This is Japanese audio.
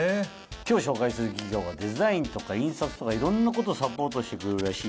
今日紹介する企業はデザインとか印刷とかいろんなことサポートしてくれるらしいよ？